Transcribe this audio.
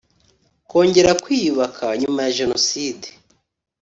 kongera kwiyubaka nyuma ya jenoside.